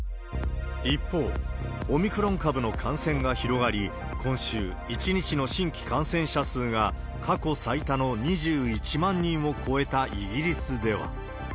一方、オミクロン株の感染が広がり、今週、１日の新規感染者数が過去最多の２１万人を超えたイギリスでは。